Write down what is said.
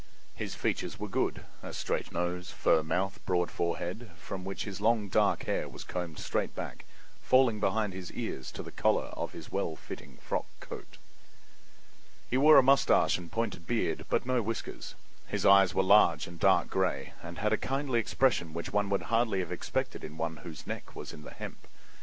His features were good—a straight nose, firm mouth, broad forehead, from which his long, dark hair was combed straight back, falling behind his ears to the collar of his well fitting frock coat. He wore a moustache and pointed beard, but no whiskers; his eyes were large and dark gray, and had a kindly expression which one would hardly have expected in one whose neck was in the hemp.